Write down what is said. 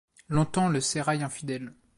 Longtemps le sérail infidèle